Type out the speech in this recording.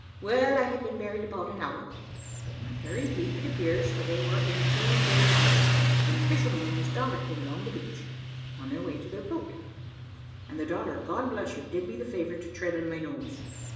Well, I had been buried about an hour but not very deep it appears, for they were in too great a hurry when a fisherman and his daughter came along the beach, on their way to the boat; and the daughter, God bless her! did me the favour to tread on my nose.